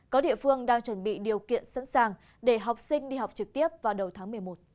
có địa phương đang chuẩn bị điều kiện sẵn sàng để học sinh đi học trực tiếp vào đầu tháng một mươi một